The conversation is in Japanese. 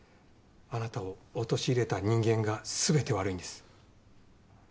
あなたを陥れた人間が全て悪いんです。